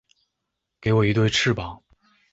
给我一对翅膀